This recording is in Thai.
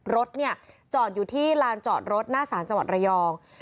รถเนี่ยจอดอยู่ที่ลานจอดรถหน้าศาลจังหวัดระยอง